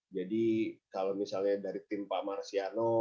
jadi kalau misalnya dari tim pak marciano